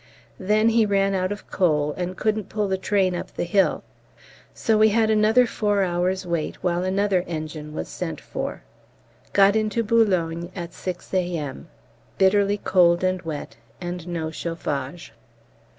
Then he ran out of coal, and couldn't pull the train up the hill, so we had another four hours' wait while another engine was sent for. Got into B. at 6 A.M.; bitterly cold and wet, and no chauffage.